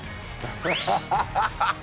ハハハハ！